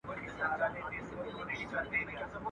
پور چي تر سلو تېر سي، وچه مه خوره.